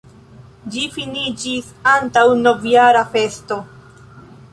Ĝi finiĝis antaŭ novjara festo.